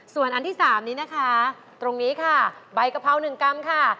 ส่วนอันที่๓นี้นะคะตรงนี้ค่ะใบกะเพรา๑กรัมค่ะ